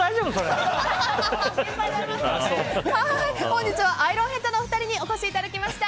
本日はアイロンヘッドのお二人にお越しいただきました。